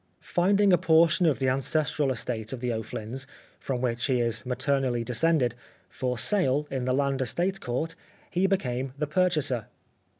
Finding a portion of the ancestral estate of the O'Flyns (from whom he is maternally descended) for sale in the Land Estate Court, he became the purchaser.